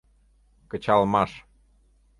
КЫЧАЛМАШ